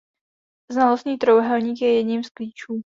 Znalostní trojúhelník je jedním z klíčů.